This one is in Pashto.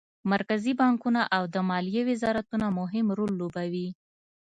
مرکزي بانکونه او د مالیې وزارتونه مهم رول لوبوي